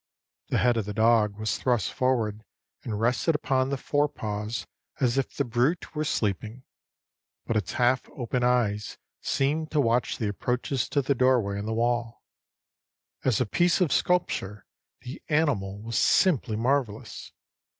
The head of the dog was thrust forward and rested upon the fore paws as if the brute were sleeping; but its half open eyes seemed to watch the approaches to the doorway in the wall. As a piece of sculpture, the animal was simply marvellous.